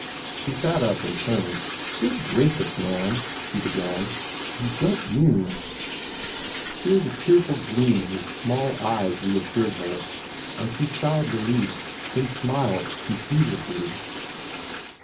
She sat up in turn. "Good gracious, man," she began, "you don't mean " Here the cheerful gleam in his small eyes reassured her, and she sighed relief, then smiled confusedly.